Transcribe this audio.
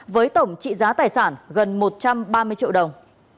với tổng trị giá tài sản gần một trăm ba mươi triệu đồng